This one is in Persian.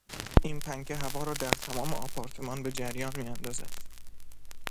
این پنکه هوا را در تمام آپارتمان به جریان میاندازد.